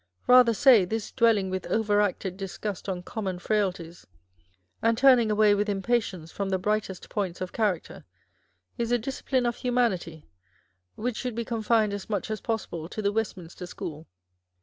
Rather say, this dwelling with overacted disgust on common frailties, and turning away with impatience from the brightest points of character, is "a discipline of humanity," which should be confined as much as possible to the Westminster School.